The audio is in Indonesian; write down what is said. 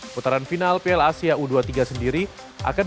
putaran final piala asia u dua puluh tiga sendiri akan